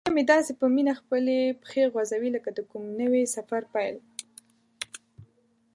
سپی مې داسې په مینه خپلې پښې غځوي لکه د کوم نوي سفر پیل.